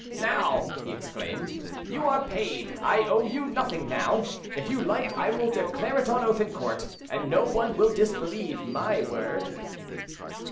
"Now," he exclaimed, "you are paid; I owe you nothing now. If you like, I will declare it on oath in court, and no one will disbelieve my word."